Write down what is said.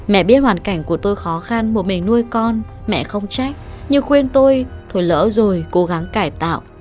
mẹ biết hoàn cảnh của tôi khó khăn một mình nuôi con mẹ không trách nhưng khuyên tôi thổi lỡ rồi cố gắng cải tạo